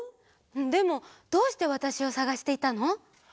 でもどうしてわたしをさがしていたの？